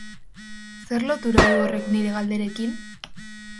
Zer lotura du horrek nire galderekin?